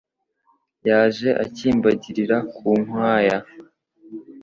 Yaje akimbagirira ku nkwaya,